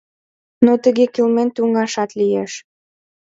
Но тыге кылмен тӱҥашат лиеш.